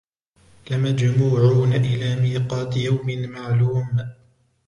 لَمَجْمُوعُونَ إِلَى مِيقَاتِ يَوْمٍ مَعْلُومٍ